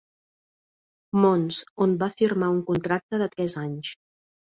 Mons, on va firmar un contracte de tres anys.